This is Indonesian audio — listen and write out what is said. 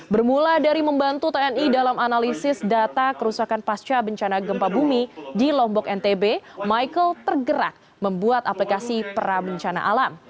bermula dari membantu tni dalam analisis data kerusakan pasca bencana gempa bumi di lombok ntb michael tergerak membuat aplikasi pera bencana alam